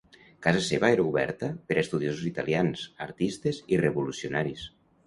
Casa seva era oberta per a estudiosos italians, artistes i revolucionaris.